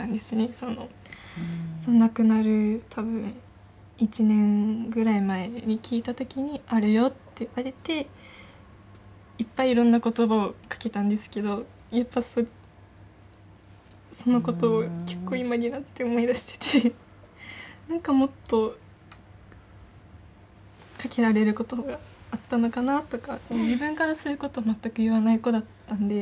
その亡くなる多分１年ぐらい前に聞いた時に「あるよ」って言われていっぱいいろんな言葉をかけたんですけどやっぱそのことを結構今になって思い出してて何かもっとかけられる言葉があったのかなとか自分からそういうことを全く言わない子だったんで。